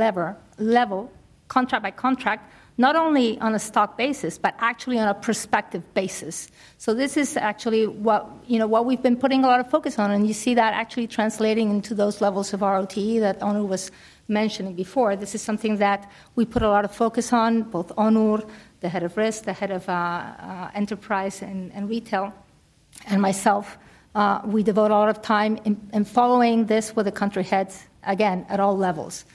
level, contract by contract, not only on a stock basis, but actually on a prospective basis. So this is actually what we've been putting a lot of focus on, and you see that actually translating into those levels of ROTE that Onur was mentioning before. This is something that we put a lot of focus on, both Onur, the head of risk, the head of enterprise and retail, and myself. We devote a lot of time in following this with the country heads, again, at all levels.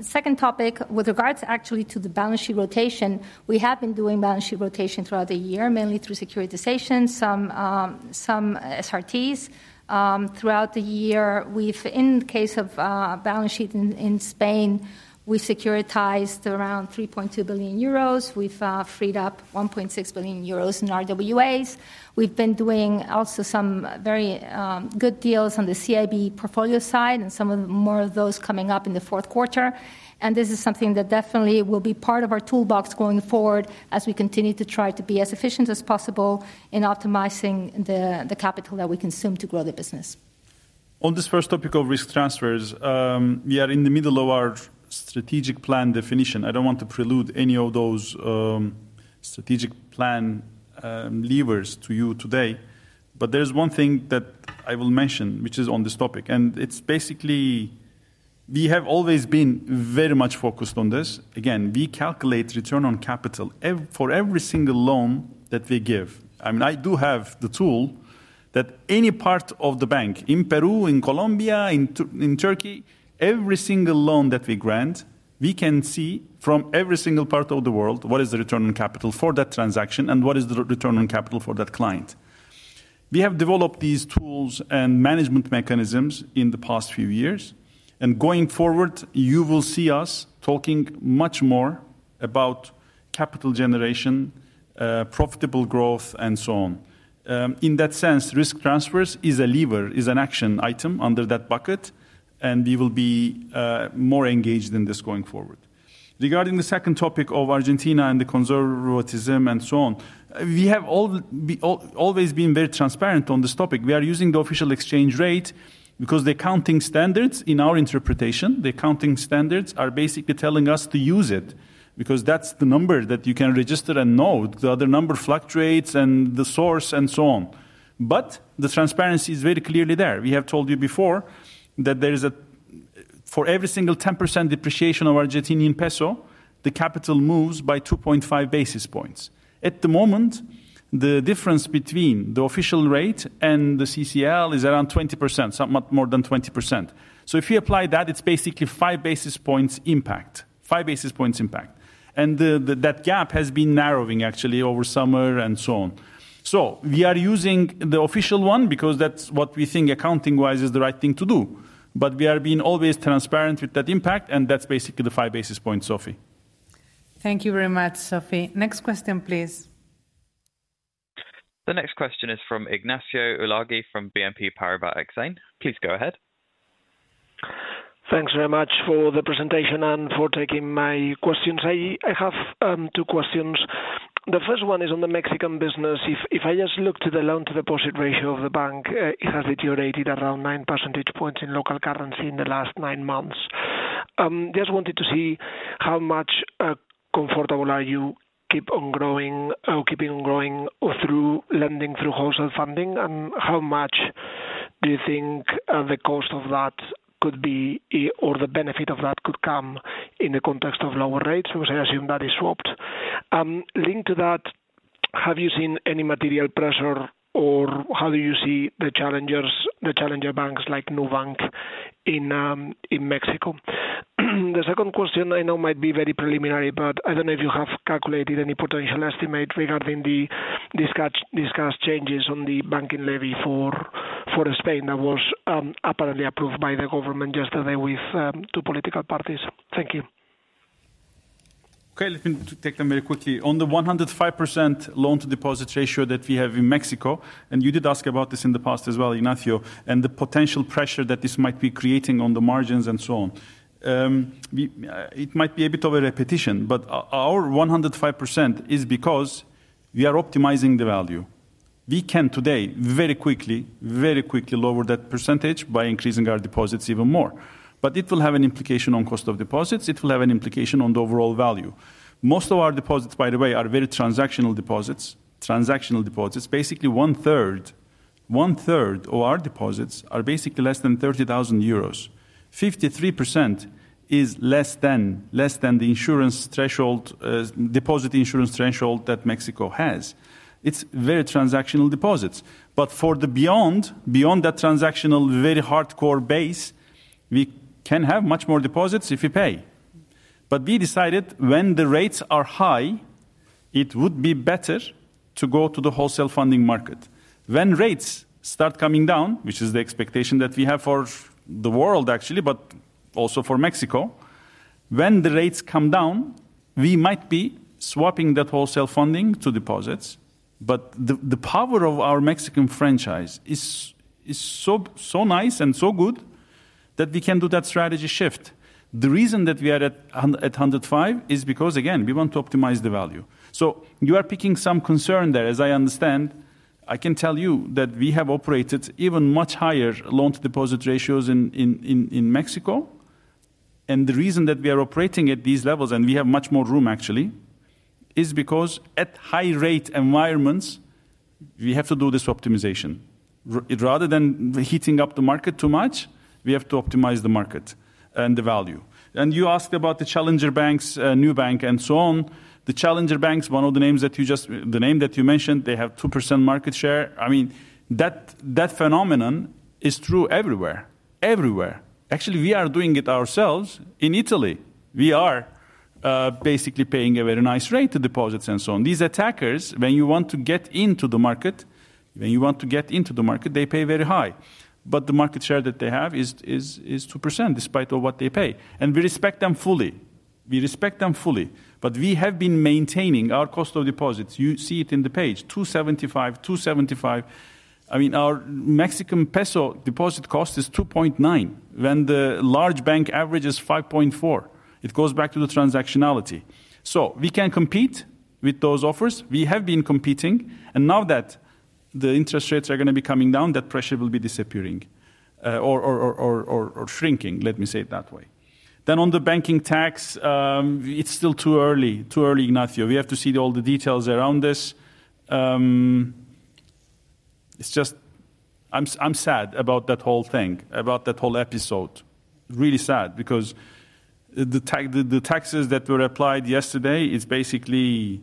Second topic, with regards actually to the balance sheet rotation, we have been doing balance sheet rotation throughout the year, mainly through securitization, some SRTs throughout the year. In the case of balance sheet in Spain, we securitized around 3.2 billion euros. We've freed up 1.6 billion euros in RWAs. We've been doing also some very good deals on the CIB portfolio side and some more of those coming up in the fourth quarter. This is something that definitely will be part of our toolbox going forward as we continue to try to be as efficient as possible in optimizing the capital that we consume to grow the business. On this first topic of risk transfers, we are in the middle of our strategic plan definition. I don't want to prelude any of those strategic plan levers to you today, but there's one thing that I will mention, which is on this topic, and it's basically we have always been very much focused on this. Again, we calculate return on capital for every single loan that we give. I mean, I do have the tool that any part of the bank in Peru, in Colombia, in Turkey, every single loan that we grant, we can see from every single part of the world what is the return on capital for that transaction and what is the return on capital for that client. We have developed these tools and management mechanisms in the past few years, and going forward, you will see us talking much more about capital generation, profitable growth, and so on. In that sense, risk transfers is a lever, is an action item under that bucket, and we will be more engaged in this going forward. Regarding the second topic of Argentina and the conservatism and so on, we have always been very transparent on this topic. We are using the official exchange rate because the accounting standards, in our interpretation, the accounting standards are basically telling us to use it because that's the number that you can register and know. The other number fluctuates and the source and so on. But the transparency is very clearly there. We have told you before that there is a for every single 10% depreciation of Argentine peso, the capital moves by 2.5 basis points. At the moment, the difference between the official rate and the CCL is around 20%, somewhat more than 20%. So if you apply that, it's basically five basis points impact, five basis points impact. And that gap has been narrowing actually over summer and so on. So we are using the official one because that's what we think accounting-wise is the right thing to do. But we are being always transparent with that impact, and that's basically the five basis points, Sophie. Thank you very much, Sophie. Next question, please. The next question is from Ignacio Ulargui from BNP Paribas Exane. Please go ahead. Thanks very much for the presentation and for taking my questions. I have two questions. The first one is on the Mexican business. If I just looked at the loan-to-deposit ratio of the bank, it has deteriorated around 9 percentage points in local currency in the last nine months. Just wanted to see how much comfortable are you keep on growing or keeping on growing through lending through wholesale funding, and how much do you think the cost of that could be or the benefit of that could come in the context of lower rates, because I assume that is swapped. Linked to that, have you seen any material pressure, or how do you see the challengers, the challenger banks like Nubank in Mexico? The second question, I know might be very preliminary, but I don't know if you have calculated any potential estimate regarding the discussed changes on the banking levy for Spain that was apparently approved by the government yesterday with two political parties. Thank you. Okay, let me take them very quickly. On the 105% loan-to-deposit ratio that we have in Mexico, and you did ask about this in the past as well, Ignacio, and the potential pressure that this might be creating on the margins and so on. It might be a bit of a repetition, but our 105% is because we are optimizing the value. We can today very quickly, very quickly lower that percentage by increasing our deposits even more. But it will have an implication on cost of deposits. It will have an implication on the overall value. Most of our deposits, by the way, are very transactional deposits, transactional deposits. Basically, one third, one third of our deposits are basically less than 30,000 euros. 53% is less than the insurance threshold, deposit insurance threshold that Mexico has. It's very transactional deposits. But for the beyond, beyond that transactional, very hardcore base, we can have much more deposits if we pay. But we decided when the rates are high, it would be better to go to the wholesale funding market. When rates start coming down, which is the expectation that we have for the world actually, but also for Mexico, when the rates come down, we might be swapping that wholesale funding to deposits. But the power of our Mexican franchise is so nice and so good that we can do that strategy shift. The reason that we are at 105 is because, again, we want to optimize the value. So you are picking some concern there. As I understand, I can tell you that we have operated even much higher loan-to-deposit ratios in Mexico. And the reason that we are operating at these levels and we have much more room actually is because at high rate environments, we have to do this optimization. Rather than heating up the market too much, we have to optimize the market and the value. And you asked about the challenger banks, Nubank and so on. The challenger banks, one of the names that you just, the name that you mentioned, they have 2% market share. I mean, that phenomenon is true everywhere, everywhere. Actually, we are doing it ourselves in Italy. We are basically paying a very nice rate to deposits and so on. These attackers, when you want to get into the market, when you want to get into the market, they pay very high, but the market share that they have is 2% despite what they pay, and we respect them fully. We respect them fully, but we have been maintaining our cost of deposits. You see it in the page, 275, 275. I mean, our Mexican peso deposit cost is 2.9% when the large bank average is 5.4%. It goes back to the transactionality, so we can compete with those offers. We have been competing, and now that the interest rates are going to be coming down, that pressure will be disappearing or shrinking, let me say it that way. Then on the banking tax, it's still too early, too early, Ignacio. We have to see all the details around this. It's just I'm sad about that whole thing, about that whole episode. Really sad because the taxes that were applied yesterday is basically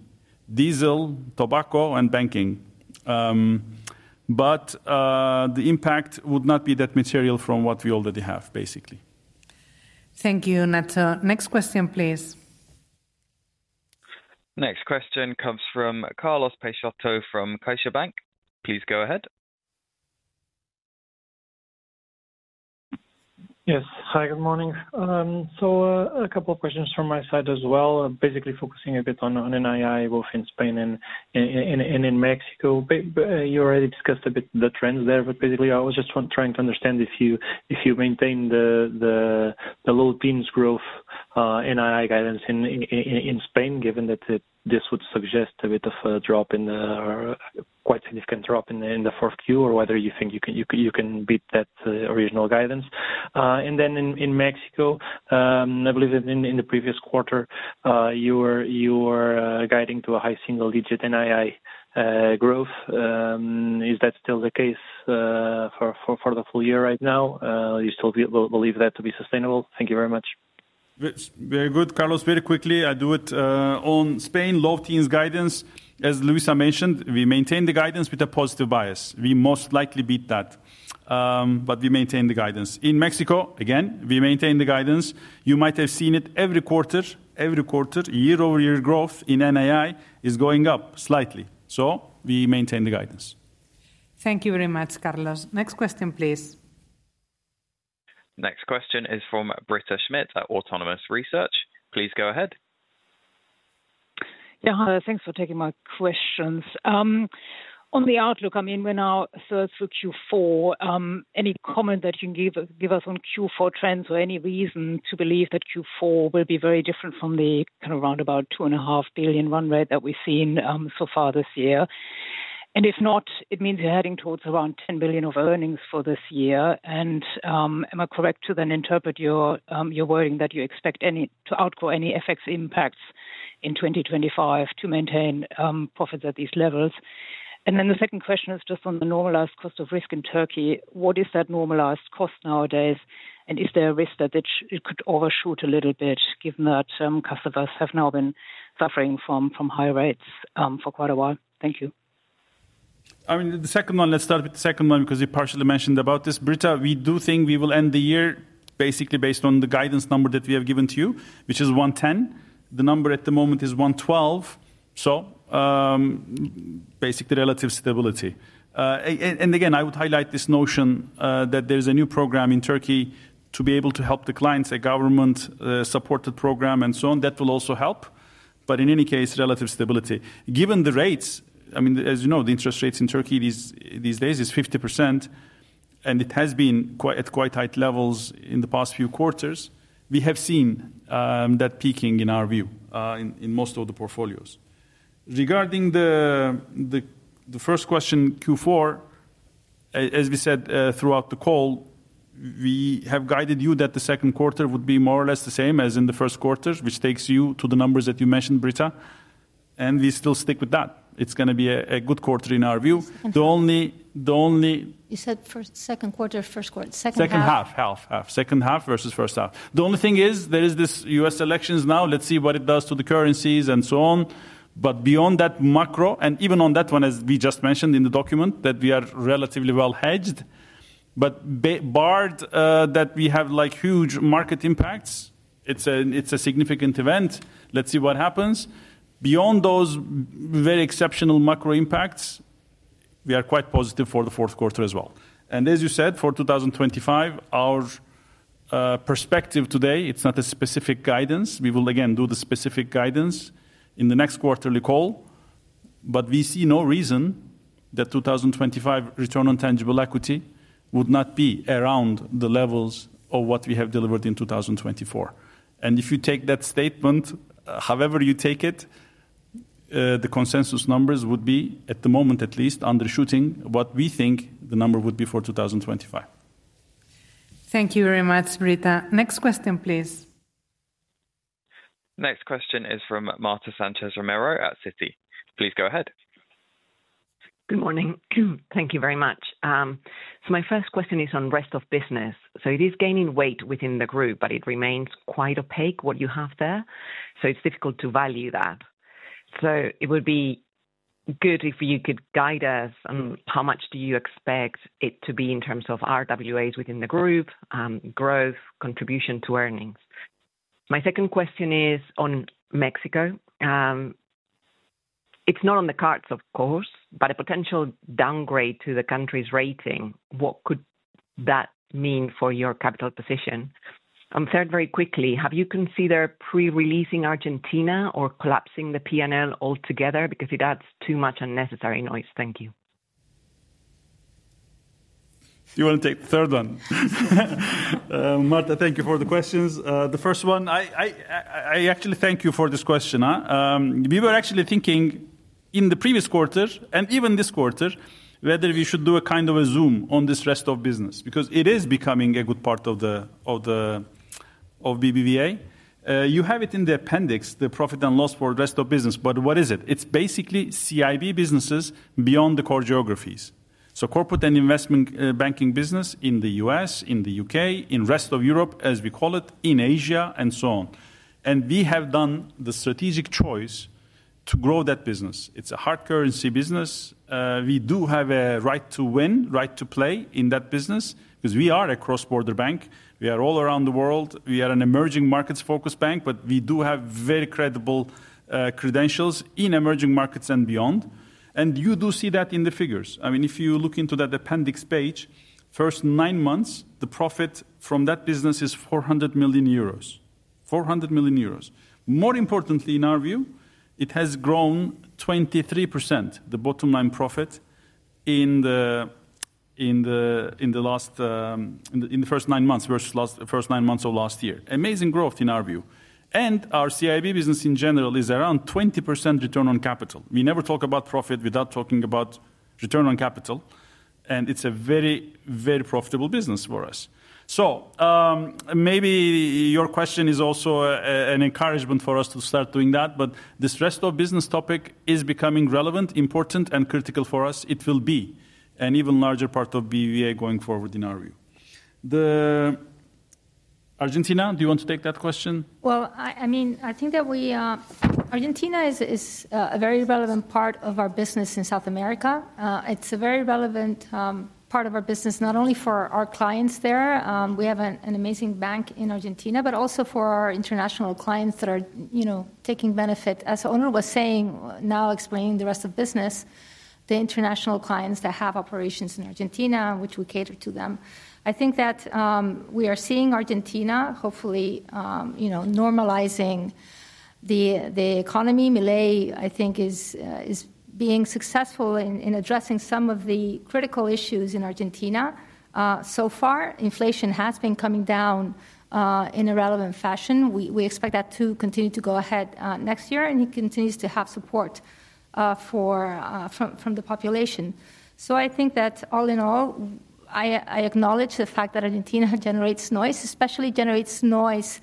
diesel, tobacco, and banking. But the impact would not be that material from what we already have, basically. Thank you, Ignacio. Next question, please. Next question comes from Carlos Peixoto from CaixaBank. Please go ahead. Yes. Hi, good morning. So a couple of questions from my side as well. Basically focusing a bit on NII both in Spain and in Mexico. You already discussed a bit the trends there, but basically I was just trying to understand if you maintain the low teens growth NII guidance in Spain, given that this would suggest a bit of a drop in the quite significant drop in the fourth Q or whether you think you can beat that original guidance. And then in Mexico, I believe in the previous quarter, you were guiding to a high single-digit NII growth. Is that still the case for the full year right now? You still believe that to be sustainable? Thank you very much. Very good. Carlos, very quickly, I'll do it on Spain, low teens guidance. As Luisa mentioned, we maintain the guidance with a positive bias. We most likely beat that, but we maintain the guidance. In Mexico, again, we maintain the guidance. You might have seen it every quarter, every quarter, year-over-year growth in NII is going up slightly. So we maintain the guidance. Thank you very much, Carlos. Next question, please. Next question is from Britta Schmidt at Autonomous Research. Please go ahead. Yeah. Thanks for taking my questions. On the outlook, I mean, we're now two-thirds through Q4. Any comment that you can give us on Q4 trends or any reason to believe that Q4 will be very different from the kind of roundabout 2.5 billion run rate that we've seen so far this year? And if not, it means you're heading towards around 10 billion of earnings for this year. And am I correct to then interpret your wording that you expect to outgrow any FX impacts in 2025 to maintain profits at these levels? And then the second question is just on the normalized cost of risk in Turkey. What is that normalized cost nowadays? And is there a risk that it could overshoot a little bit given that customers have now been suffering from high rates for quite a while? Thank you. I mean, the second one, let's start with the second one because you partially mentioned about this. Britta, we do think we will end the year basically based on the guidance number that we have given to you, which is 110. The number at the moment is 112, so basically relative stability, and again, I would highlight this notion that there is a new program in Turkey to be able to help the clients, a government-supported program and so on. That will also help, but in any case, relative stability. Given the rates, I mean, as you know, the interest rates in Turkey these days is 50%, and it has been at quite high levels in the past few quarters. We have seen that peaking in our view in most of the portfolios. Regarding the first question, Q4, as we said throughout the call, we have guided you that the second quarter would be more or less the same as in the first quarter, which takes you to the numbers that you mentioned, Britta, and we still stick with that. It's going to be a good quarter in our view. The only thing is, you said first, second quarter, first quarter, second half versus first half. The only thing is there is this U.S. elections now. Let's see what it does to the currencies and so on. But beyond that macro, and even on that one, as we just mentioned in the document that we are relatively well hedged, but barring that we have like huge market impacts, it's a significant event. Let's see what happens. Beyond those very exceptional macro impacts, we are quite positive for the fourth quarter as well. And as you said, for 2025, our perspective today, it's not a specific guidance. We will again do the specific guidance in the next quarterly call. But we see no reason that 2025 return on tangible equity would not be around the levels of what we have delivered in 2024. And if you take that statement, however you take it, the consensus numbers would be, at the moment at least, undershooting what we think the number would be for 2025. Thank you very much, Britta. Next question, please. Next question is from Marta Sánchez Romero at Citi. Please go ahead. Good morning. Thank you very much. So my first question is on rest of business. So it is gaining weight within the group, but it remains quite opaque what you have there. So it's difficult to value that. So it would be good if you could guide us on how much do you expect it to be in terms of RWAs within the group, growth, contribution to earnings. My second question is on Mexico. It's not on the cards, of course, but a potential downgrade to the country's rating. What could that mean for your capital position? And third, very quickly, have you considered pre-releasing Argentina or collapsing the P&L altogether? Because it adds too much unnecessary noise. Thank you. You want to take the third one. Marta, thank you for the questions. The first one, I actually thank you for this question. We were actually thinking in the previous quarter and even this quarter whether we should do a kind of a zoom on this rest of business because it is becoming a good part of the BBVA. You have it in the appendix, the profit and loss for rest of business, but what is it? It's basically CIB businesses beyond the core geographies. So corporate and investment banking business in the U.S., in the U.K., in rest of Europe, as we call it, in Asia and so on. And we have done the strategic choice to grow that business. It's a hard currency business. We do have a right to win, right to play in that business because we are a cross-border bank. We are all around the world. We are an emerging markets focused bank, but we do have very credible credentials in emerging markets and beyond. And you do see that in the figures. I mean, if you look into that appendix page, first nine months, the profit from that business is 400 million euros. 400 million euros. More importantly, in our view, it has grown 23%, the bottom line profit in the first nine months versus the first nine months of last year. Amazing growth in our view. And our CIB business in general is around 20% return on capital. We never talk about profit without talking about return on capital. And it is a very, very profitable business for us. So maybe your question is also an encouragement for us to start doing that, but this rest of business topic is becoming relevant, important, and critical for us. It will be an even larger part of BBVA going forward in our view. Argentina, do you want to take that question? Well, I mean, I think that Argentina is a very relevant part of our business in South America. It's a very relevant part of our business, not only for our clients there. We have an amazing bank in Argentina, but also for our international clients that are taking benefit. As Onur was saying, now explaining the rest of business, the international clients that have operations in Argentina, which we cater to them. I think that we are seeing Argentina, hopefully, normalizing the economy. Milei, I think, is being successful in addressing some of the critical issues in Argentina. So far, inflation has been coming down in a relevant fashion. We expect that to continue to go ahead next year and it continues to have support from the population. So I think that all in all, I acknowledge the fact that Argentina generates noise, especially generates noise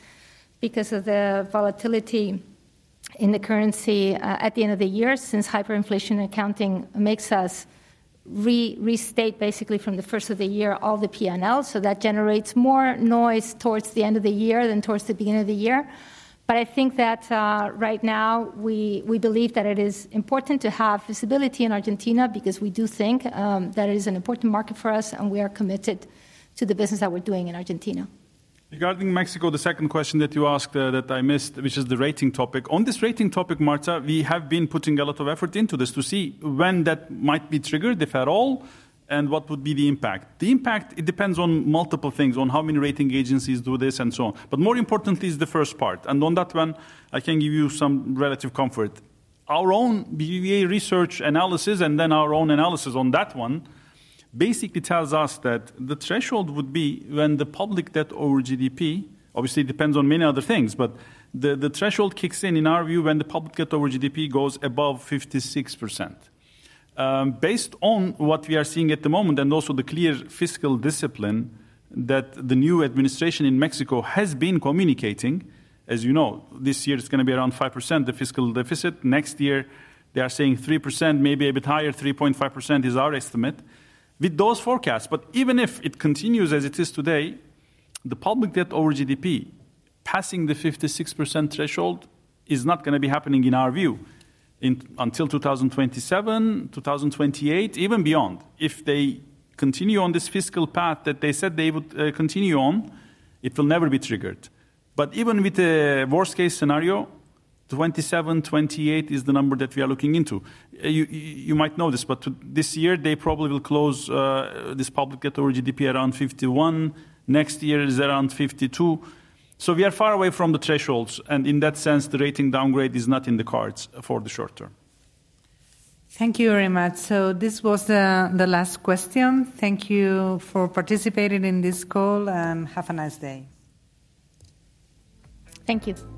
because of the volatility in the currency at the end of the year since hyperinflation accounting makes us restate basically from the first of the year all the P&L. So that generates more noise towards the end of the year than towards the beginning of the year. But I think that right now we believe that it is important to have visibility in Argentina because we do think that it is an important market for us and we are committed to the business that we're doing in Argentina. Regarding Mexico, the second question that you asked that I missed, which is the rating topic. On this rating topic, Marta, we have been putting a lot of effort into this to see when that might be triggered, if at all, and what would be the impact. The impact, it depends on multiple things, on how many rating agencies do this and so on. But more importantly is the first part and on that one, I can give you some relative comfort. Our own BBVA research analysis and then our own analysis on that one basically tells us that the threshold would be when the public debt over GDP, obviously it depends on many other things, but the threshold kicks in in our view when the public debt over GDP goes above 56%. Based on what we are seeing at the moment and also the clear fiscal discipline that the new administration in Mexico has been communicating, as you know, this year it's going to be around 5% the fiscal deficit. Next year, they are saying 3%, maybe a bit higher, 3.5% is our estimate with those forecasts. But even if it continues as it is today, the public debt over GDP passing the 56% threshold is not going to be happening in our view until 2027, 2028, even beyond. If they continue on this fiscal path that they said they would continue on, it will never be triggered. But even with the worst case scenario, 27, 28 is the number that we are looking into. You might know this, but this year they probably will close this public debt over GDP around 51%. Next year is around 52%. So we are far away from the thresholds. And in that sense, the rating downgrade is not in the cards for the short term. Thank you very much. So this was the last question. Thank you for participating in this call and have a nice day. Thank you.